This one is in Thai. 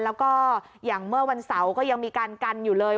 แล้วก็อย่างเมื่อวันเสาร์ก็ยังมีการกันอยู่เลย